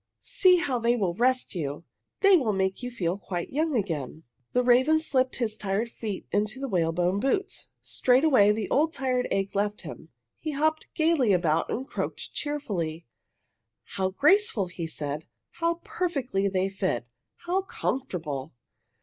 "See how they will rest you! They will make you feel quite young again!" The raven slipped his tired feet into the whalebone boots. Straight away the old tired ache left him. He hopped gaily about and croaked cheerfully. "How graceful!" he said. "How perfectly they fit! How comfortable."